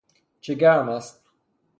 چه گرم است